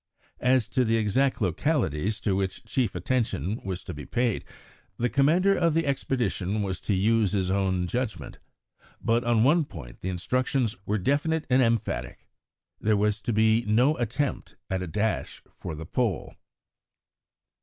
As to the exact localities to which chief attention was to be paid, the commander of the expedition was to use his own judgment; but on one point the instructions were definite and emphatic there was to be no attempt at a dash for the Pole.